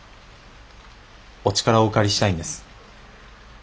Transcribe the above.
お力をお借りしたいんです。